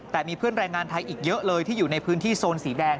แต่มีเพื่อนแรงงานไทยอีกเยอะเลยที่อยู่ในพื้นที่โซนสีแดง